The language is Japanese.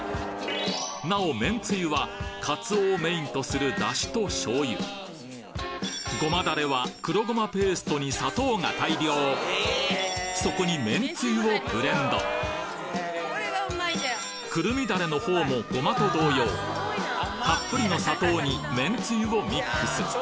なおめんつゆはカツオをメインとする出汁と醤油そこにめんつゆをブレンドくるみだれの方もごまと同様たっぷりの砂糖にめんつゆをミックス